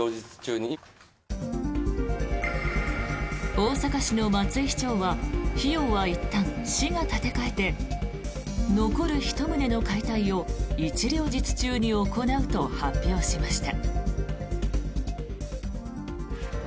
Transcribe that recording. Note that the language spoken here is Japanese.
大阪市の松井市長は費用はいったん市が立て替えて残る１棟の解体を一両日中に行うと発表しました。